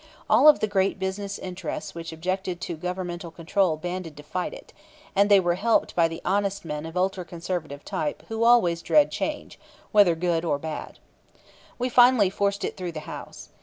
All of the great business interests which objected to Governmental control banded to fight it, and they were helped by the honest men of ultra conservative type who always dread change, whether good or bad. We finally forced it through the House.